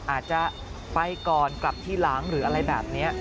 อาจจะไปก่อนกลับทีหลังหรืออะไรแบบนี้